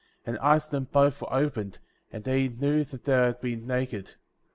13. And the eyes of them both were opened,*^ and they knew that they had been naked.